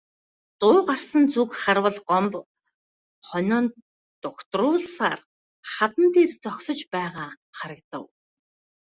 Дуу гарсан зүг харвал Гомбо хонио дугтруулсаар хадан дээр зогсож байгаа харагдав.